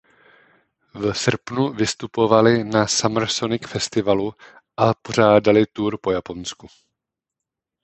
V srpnu vystupovali na Summer Sonic Festivalu a pořádali tour po Japonsku.